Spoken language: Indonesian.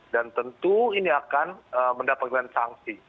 dan tentu ini akan mendapatkan sanksi